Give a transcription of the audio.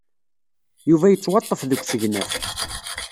Yuba yettwaḍḍef deg usegnaf.